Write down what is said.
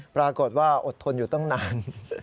ปรากฏว่าอดทนอยู่ตั้งนาน